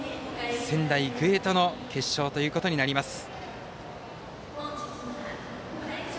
仙台育英との決勝ということになります。